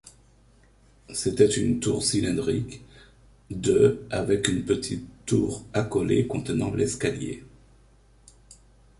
C'était une tour cylindrique de avec une petite tour accolée contenant l'escalier.